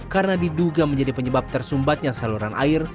karena diduga menjadi penyebab tersumbatnya saluran air